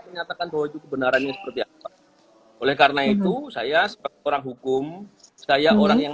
menyatakan bahwa itu kebenarannya seperti apa oleh karena itu saya sebagai orang hukum saya orang yang